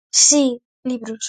Si, libros.